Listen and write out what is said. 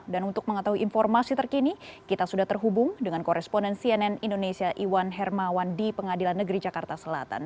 dan untuk mengetahui informasi terkini kita sudah terhubung dengan koresponen cnn indonesia iwan hermawan di pengadilan negeri jakarta selatan